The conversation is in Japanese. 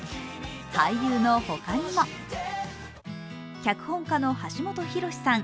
俳優のほかにも、脚本家の橋本裕志さん